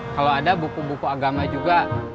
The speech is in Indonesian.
kalau ada buku buku agama juga